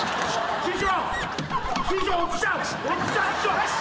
師匠！